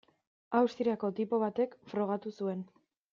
Austriako tipo batek frogatu zuen.